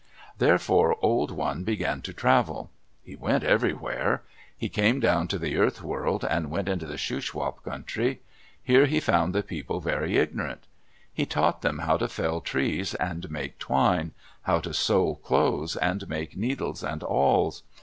Therefore Old One began to travel. He went everywhere. He came down to the Earth World and went into the Shuswap country. Here he found the people very ignorant. He taught them how to fell trees and make twine, how to sew clothes and make needles and awls.